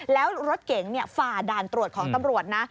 แล้วรถเก๋งฝ่าด่านตรวจของตำรวจนะ